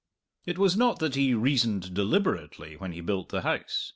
It was not that he reasoned deliberately when he built the house.